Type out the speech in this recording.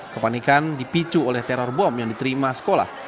kepanikan dipicu oleh teror bom yang diterima sekolah